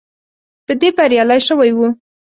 په دې بریالی شوی وو.